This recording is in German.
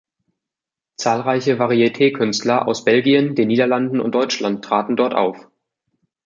Zahlreiche Varietékünstler aus Belgien, den Niederlanden und Deutschland traten dort auf.